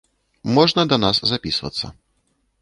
Можна да нас запісвацца.